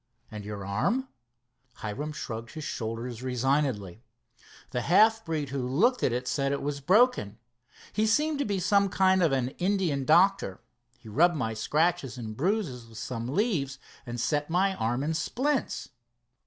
"And your arm?" Hiram shrugged his shoulders resignedly. "The half breed who looked at it said it was broken. He seemed to be some kind of an Indian doctor. He rubbed my scratches and bruises with some leaves and set my arm in splints."